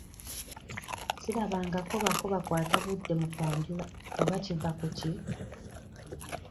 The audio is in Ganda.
Sirabangako bako bakwata budde mu kwanjula oba kiva ku ki?